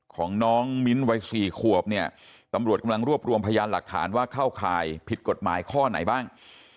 ของน้องมิ้นท์วัย๔ขวบเนี่ยตำรวจกำลังรวบรวมพยานหลักฐานว่าเข้าข่ายผิดกฎหมายข้อไหนบ้าง